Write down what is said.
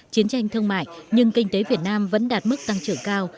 chiến tranh thương mại nhưng kinh tế việt nam vẫn đạt mức tăng trưởng cao